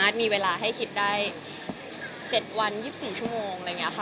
อะไรมากมีเวลาให้คิดได้๗วัน๒๔ชั่วโมง